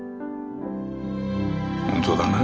本当だな？